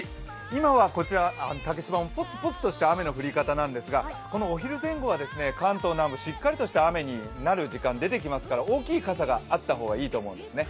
今は、竹芝もぽつぽつとした雨の降り方なんですが、お昼前後は関東南部、しっかりした雨になる時間が出てきますから大きい傘があった方がいいと思うんですね。